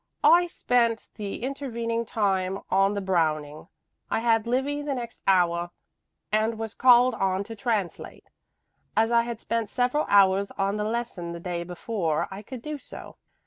I spent the intervening time on the Browning. I had Livy the next hour and was called on to translate. As I had spent several hours on the lesson the day before, I could do so.